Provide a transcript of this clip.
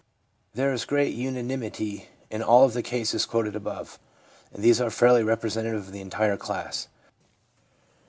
There is great unanimity in all of the cases quoted above, and these are fairly representative of the entire class.